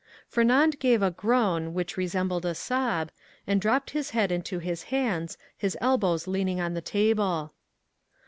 Fernand gave a groan, which resembled a sob, and dropped his head into his hands, his elbows leaning on the table.